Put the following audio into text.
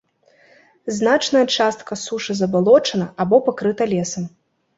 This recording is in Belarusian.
Значная частка сушы забалочана або пакрыта лесам.